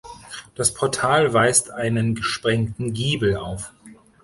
Das Portal weist einen gesprengten Giebel auf.